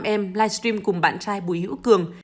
nam em livestream cùng bạn trai bùi hữu cường